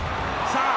さあ